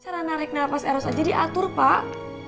cara narik nafas eros aja diatur pak